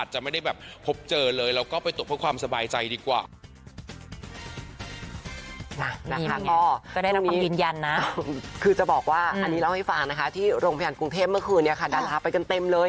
ก็ได้รับความยินยันนะคือจะบอกว่าอันนี้เล่าให้ฟังนะคะที่โรงพยาบาลกรุงเทพฯเมื่อคืนเนี่ยค่ะดาราไปกันเต็มเลย